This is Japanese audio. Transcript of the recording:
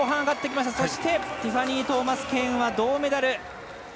そしてティファニー・トーマスケーンは銅メダル。